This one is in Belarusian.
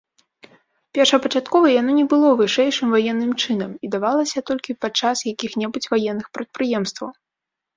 Першапачаткова яно не было вышэйшым ваенным чынам і давалася толькі падчас якіх-небудзь ваенных прадпрыемстваў.